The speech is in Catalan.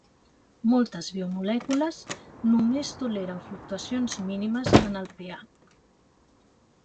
Moltes biomolècules només toleren fluctuacions mínimes en el pH.